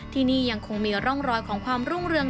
ที่นี่ยังคงมีร่องรอยของความรุ่งเรือง